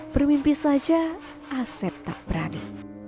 bermimpi saja asep tak berani